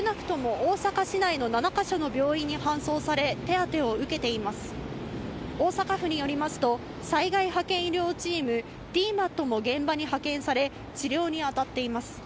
大阪府によりますと、災害派遣医療チーム・ＤＭＡＴも現場に派遣され、治療に当たっています。